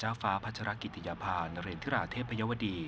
เจ้าฟ้าพัชรคิตทิยาย